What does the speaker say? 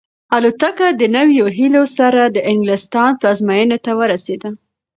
الوتکه د نویو هیلو سره د انګلستان پلازمینې ته ورسېده.